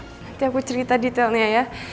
nanti aku cerita detailnya ya